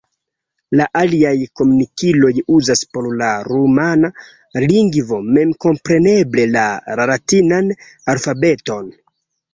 La aliaj komunikiloj uzas por la rumana lingvo memkompreneble la latinan alfabeton.